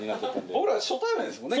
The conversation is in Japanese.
僕ら初対面ですもんね